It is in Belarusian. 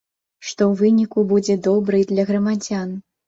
Што ў выніку будзе добра і для грамадзян.